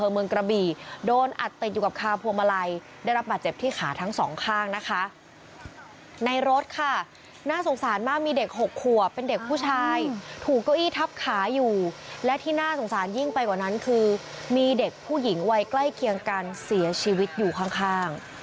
มีเด็กหกขัวเป็นเด็กผู้ชายถูกเก้าอี้ทับขาอยู่และที่น่าสงสารยิ่งไปกว่านั้นคือมีเด็กผู้หญิงวัยใกล้เคียงกันเสียชีวิตอยู่ข้าง